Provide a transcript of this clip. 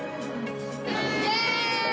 イェーイ。